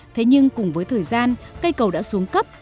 thế nhưng cùng với thời gian cây cầu đã xuống cấp